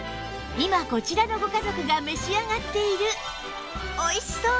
今こちらのご家族が召し上がっているおいしそうな干物！